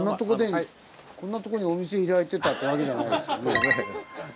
こんなとこにお店開いてたわけじゃないですよね。